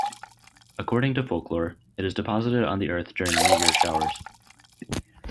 According to folklore, it is deposited on the Earth during meteor showers.